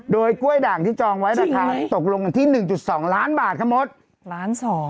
โดยกล้วยด่างที่จองไว้ราคาตกลงกันที่๑๒ล้านบาทครับมดล้านสอง